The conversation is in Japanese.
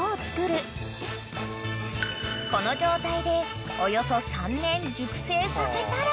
［この状態でおよそ３年熟成させたら］